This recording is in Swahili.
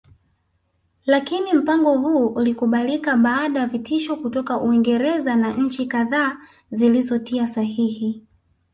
lakini mpango huu ulikubalika baada ya vitisho kutoka Uingereza na nchi kadha zilizotia sahihi